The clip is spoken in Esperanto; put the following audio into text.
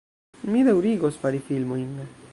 Mi daŭrigos fari filmojn